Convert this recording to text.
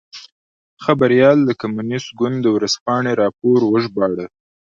خبریال د کمونېست ګوند ورځپاڼې راپور وژباړه.